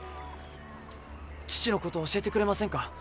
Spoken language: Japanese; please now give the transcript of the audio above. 父のことを教えてくれませんか。